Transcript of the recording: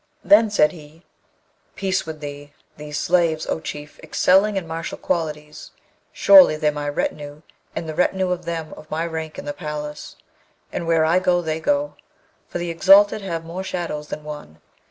Then said he, 'Peace with thee! These slaves, O Chief, excelling in martial qualities! surely they're my retinue, and the retinue of them of my rank in the palace; and where I go they go; for the exalted have more shadows than one!